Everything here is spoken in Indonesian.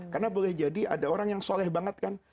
karena boleh jadi ada orang yang soleh banget kan